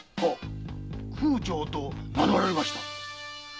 空澄と名乗られました。